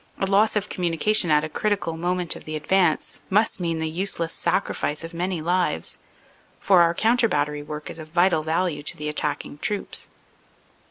A loss of communication at a criti cal moment of the advance must mean the useless sacrifice of many lives, for our counter battery work is of vital value to the attacking troops.